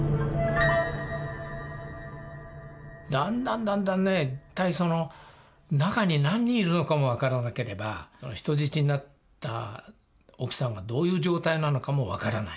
だんだんだんだんね一体その中に何人いるのかも分からなければ人質になった奥さんがどういう状態なのかも分からない。